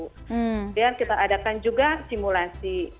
kemudian kita adakan juga simulasi